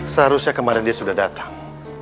seharusnya kemarin dia sudah datang